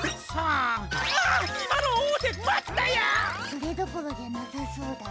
それどころじゃなさそうだな。